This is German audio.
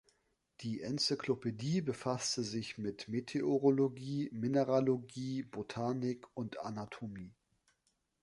Die Enzyklopädie befasste sich mit Meteorologie, Mineralogie, Botanik und Anatomie.